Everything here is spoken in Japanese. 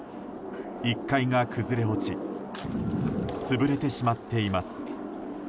１階が崩れ落ち潰れてしまっています。